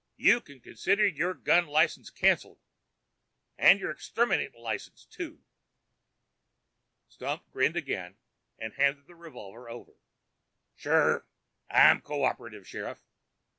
"You can consider your gun license canceled and your exterminatin' license, too." Stump grinned again, handed the revolver over. "Sure. I'm cooperative, Sheriff.